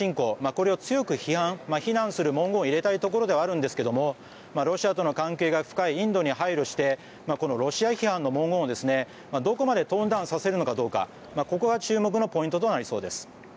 これを強く非難する文言を入れたいところではあるんですがロシアとの関係が深いインドに配慮してロシア批判の文言をどこまでトーンダウンさせるのかどうかここが注目のポイントとなりそうです。